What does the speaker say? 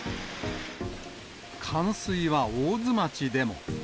冠水は大津町でも。